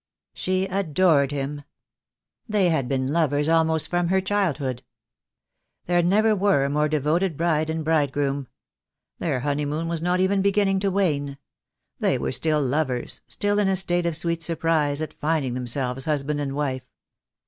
"She adored him. They had been lovers almost from her childhood. There never were a more devoted bride THE DAY WILL COAIE. 267 and bridegroom. Their honeymoon was not even begin ning to wane. They were still lovers, still in a state of sweet surprise at finding themselves husband and wife.